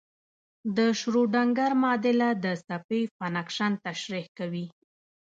د شروډنګر معادله د څپې فنکشن تشریح کوي.